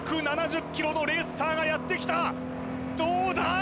１７０キロのレースカーがやってきたどうだ？